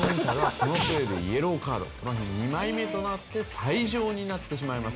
この日２枚目となって退場となってしまいます。